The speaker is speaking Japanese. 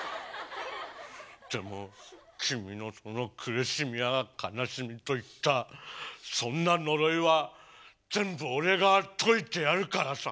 でも君のその苦しみや悲しみといったそんな呪いは全部俺が解いてやるからさ。